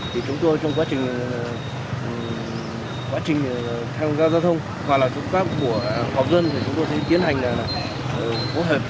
thì chúng tôi trong quá trình tham gia giao thông hoặc là trong các buổi học dân thì chúng tôi sẽ tiến hành là phối hợp